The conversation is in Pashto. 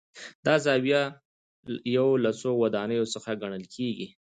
دا زاویه یو له څو ودانیو څخه ګڼل کېږي.